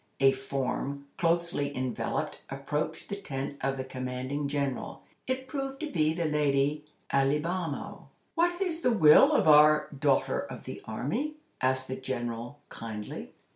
A form, closely enveloped, approached the tent of the commanding General. It proved to be the lady Alibamo. "What is the will of our 'daughter of the army?'" asked the General, kindly.